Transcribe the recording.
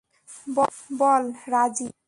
বল, রাজি?